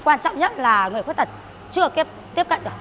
quan trọng nhất là người khuyết tật chưa tiếp cận được